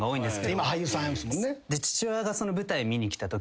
今俳優さんですもんね。